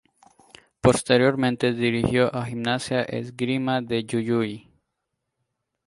Posteriormente dirigió a Gimnasia y Esgrima de Jujuy.